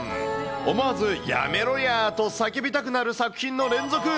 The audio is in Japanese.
思わずやめろやーと叫びたくなる作品の連続。